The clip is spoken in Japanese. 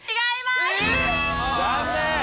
残念！